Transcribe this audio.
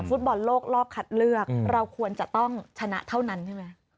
ฟุตบอลโลกรอบคัดเลือกเราควรจะต้องชนะเท่านั้นใช่ไหม